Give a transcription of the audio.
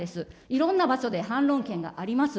いろんな場所で反論権があります。